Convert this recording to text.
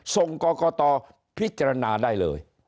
ส่งกรกตพิจารณาได้เลย